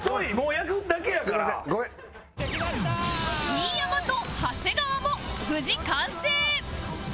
新山と長谷川も無事完成